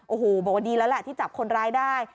โอ้โหโบกดีแล้วล่ะที่จับคนร้ายได้